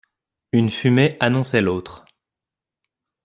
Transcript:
Une fumée annonçait l’autre.